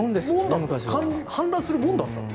氾濫するものだったの。